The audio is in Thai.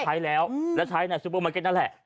ใช้แล้วแล้วใช้ในซูเปอร์มาร์เก็ตนั่นแหละ